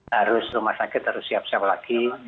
harus rumah sakit harus siap siap lagi